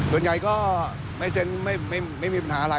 ส่วนใหญ่ก็ไม่มีปัญศาลใจเราก็ไม่มีปัญหาอะไร